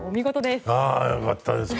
よかったです。